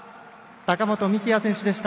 高本幹也選手でした。